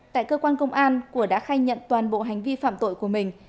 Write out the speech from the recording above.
tại cơ quan công an của đã khai nhận toàn bộ hành vi phạm tội của mình